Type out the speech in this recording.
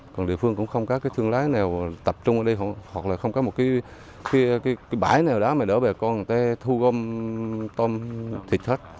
còn địa phương cũng không có cái thương lái nào tập trung ở đây hoặc là không có một cái bãi nào đó mà đỡ bà con người ta thu gom tôm thịt hết